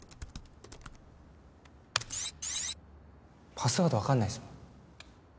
パスワードわかんないっすもん。